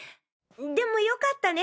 でも良かったね。